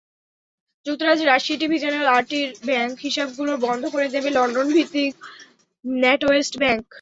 যুক্তরাজ্যে রাশিয়ার TV channel আরটির ব্যাংক হিসাবগুলো বন্ধ করে দেবে লন্ডনভিত্তিক ন্যাটওয়েস্ট ব্যাংক।